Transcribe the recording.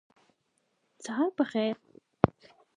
سهار په خیر